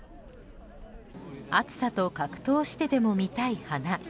暑さと格闘してでも見たい花。